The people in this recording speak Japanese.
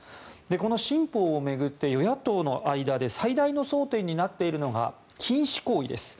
この新法を巡って与野党の間で最大の争点になっているのが禁止行為です。